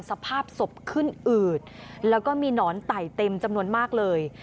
สภาพศพขึ้นอืดแล้วก็มีหนอนไต่เต็มจำนวนมากเลย